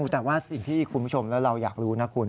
แต่ว่าสิ่งที่คุณผู้ชมและเราอยากรู้นะคุณ